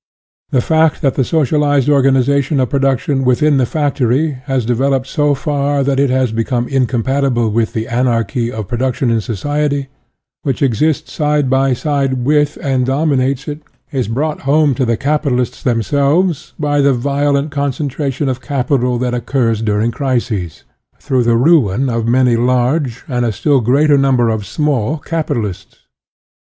The fact that the socialized organization of production within the factory has devel oped so far that it has become incompatible with the anarchy of production in society, which exists side by side with and dom inates it, is brought home to the capitalists themselves by the violent concentration of capital that occurs during crises, through the ruin of many large, and a still greater number of small, capitalists.